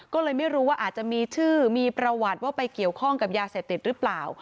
ก็เลยไม่รู้ว่าอาจจะมีชื่อมีประวัติว่าไปเกี่ยวข้องกับยาเสพติดหรือเปล่า